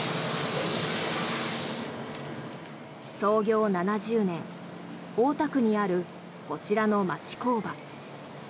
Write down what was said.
創業７０年、大田区にあるこちらの町工場。